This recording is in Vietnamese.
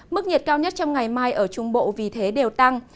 mức nhiệt cao nhất trong ngày mai ở trung bộ vì thế đều tăng